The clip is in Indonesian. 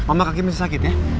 ombak kaki masih sakit ya